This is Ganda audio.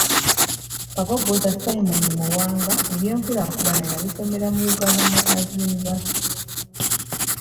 Kabogoza Simon Muwanga eby'enkulaakulana yabisomera mu Uganda Martyrs University.